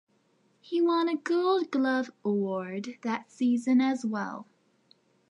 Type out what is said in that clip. He won a Gold Glove Award that season as well.